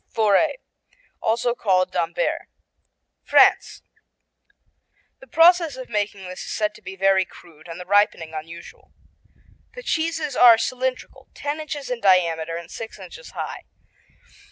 Forez, also called d'Ambert France The process of making this is said to be very crude, and the ripening unusual. The cheeses are cylindrical, ten inches in diameter and six inches high.